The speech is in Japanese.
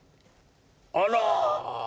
あら。